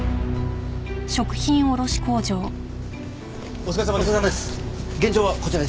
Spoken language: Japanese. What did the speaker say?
お疲れさまです。